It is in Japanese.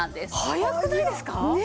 早くないですか！？